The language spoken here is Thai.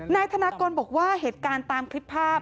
นายธนากรบอกว่าเหตุการณ์ตามคลิปภาพ